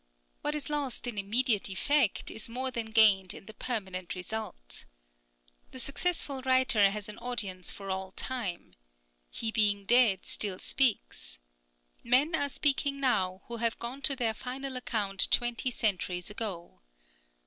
What is lost in immediate effect, is more than gained in the permanent result. The successful writer has an audience for all time. He being dead still speaks. Men are speaking now, who have gone to their final account twenty centuries ago.